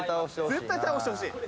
絶対倒してほしいな。